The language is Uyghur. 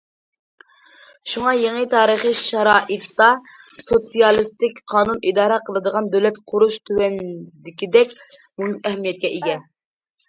شۇڭا، يېڭى تارىخىي شارائىتتا، سوتسىيالىستىك قانۇن ئىدارە قىلىدىغان دۆلەت قۇرۇش تۆۋەندىكىدەك مۇھىم ئەھمىيەتكە ئىگە.